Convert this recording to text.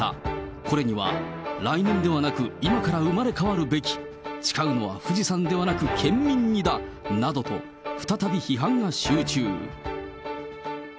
これには来年ではなく、今から生まれ変わるべき、誓うのは富士山ではなく県民にだなどと、再び批判が集中。